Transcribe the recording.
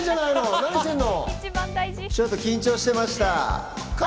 何しちちょっと緊張してました。